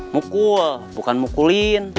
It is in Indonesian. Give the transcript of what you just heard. mukul bukan mukulin